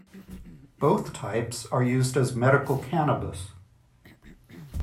Both types are used as medical cannabis.